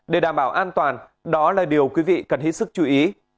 để đảm bảo an toàn đó là điều quý vị cần hết sức chú ý